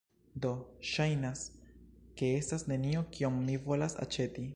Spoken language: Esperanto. Do, ŝajnas, ke estas nenio kion mi volas aĉeti